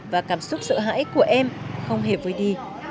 và cảm xúc sợ hãi của em không hề vơi đi